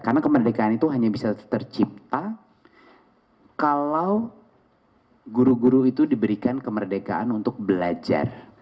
karena kemerdekaan itu hanya bisa tercipta kalau guru guru itu diberikan kemerdekaan untuk belajar